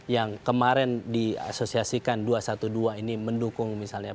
yang kemarin diasosiasikan dua ratus dua belas ini mendukung misalnya